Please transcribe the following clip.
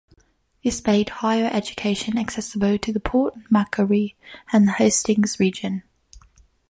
This made Higher Education accessible to the Port Macquarie and the Hastings region.